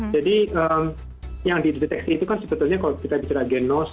jadi yang dideteksi itu kan sebetulnya kalau kita bicara genos